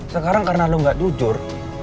sekarang karena lo gak jujur